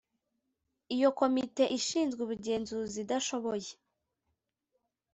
iyo komite ishinzwe ubugenzuzi idashoboye